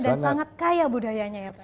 dan sangat kaya budayanya ya pak